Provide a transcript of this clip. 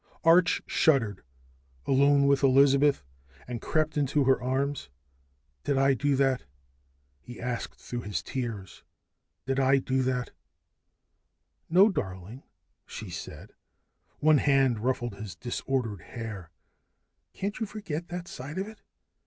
Arch shuddered, alone with Elizabeth, and crept into her arms. "Did I do that?" he asked through his tears. "Did I do it?" "No, darling," she said. One hand ruffled his disordered hair. "Can't you forget that side of it?